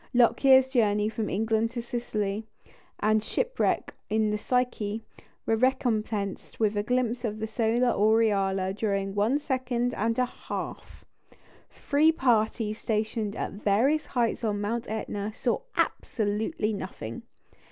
Lockyer's journey from England to Sicily, and shipwreck in the Psyche, were recompensed with a glimpse of the solar aureola during one second and a half! Three parties stationed at various heights on Mount Etna saw absolutely nothing.